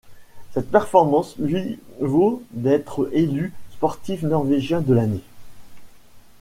Cette performance lui vaut d'être élu sportif norvégien de l'année.